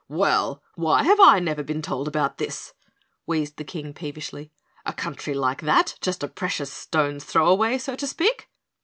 "Well, why have I never been told about this?" wheezed the King peevishly. "A country like that just a precious stone's throw away, so to speak."